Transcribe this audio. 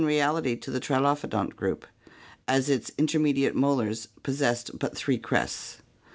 reality to the trilophodont group, as its intermediate molars pos sessed but three crests.